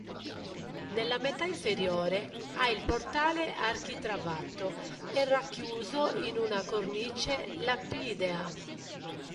Nella metà inferiore ha il portale architravato e racchiuso in una cornice lapidea.